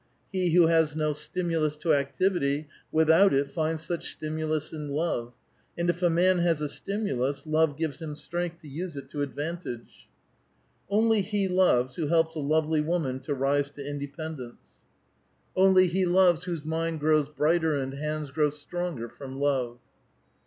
" He who has no stimulus to activity without it finds such stimulus in love ; and if a man has a stimulus, love gives him strength to use it to advantage." " Only he loves who helps a lovely woman to rise to inde pendence." 866 A VITAL QUESTION. ^'Only he lores whose mind grows brighter and hands grow stionger from love."